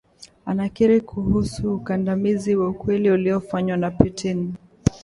anakiri kuhusu ukandamizaji wa ukweli uliofanywa na Putin